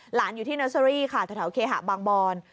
หลานอยู่ที่เนอร์เซอรี่ค่ะทะเทาเคหะบางบอน